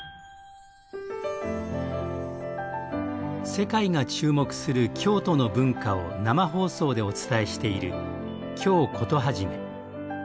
世界が注目する京都の文化を生放送でお伝えしている「京コトはじめ」。